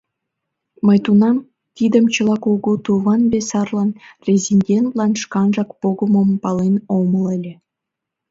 Мый тунам тидым чыла кугу туван-бесарлан, резидентлан шканжак погымым пален омыл ыле.